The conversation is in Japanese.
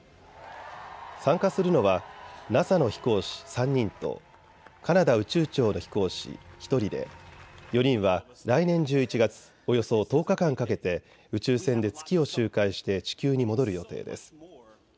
参加するのはＮＡＳＡの飛行士３人とカナダ宇宙庁の飛行士１人で４人は来年１１月およそ１０日間かけて宇宙船で月を周回して地球に戻る予定です。